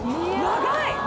長い！